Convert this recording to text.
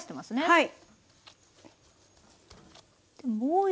はい。